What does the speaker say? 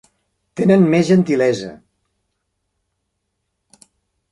Tenen més gentilesa.